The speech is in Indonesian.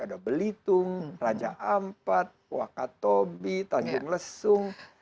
ada belitung raja ampat wakatobi tanjung lesung